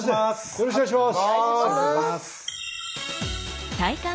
よろしくお願いします！